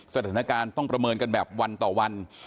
สถานการณ์ต้องประเมินกันแบบวันต่อวัน